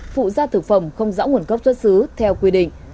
phụ ra thực phẩm không rõ nguồn cốc xuất xứ theo quy định